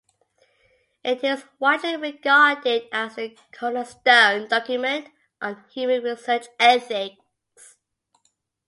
It is widely regarded as the cornerstone document on human research ethics.